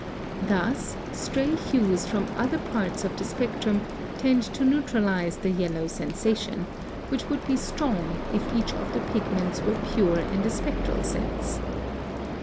] Thus stray hues from other parts of the spectrum tend to neutralize the yellow sensation, which would be strong if each of the pigments were pure in the spectral sense.